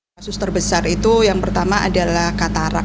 kasus terbesar itu yang pertama adalah katarak